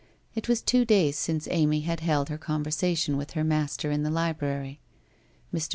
It was two days since Amy had held her conversation with her master in the library. Mr.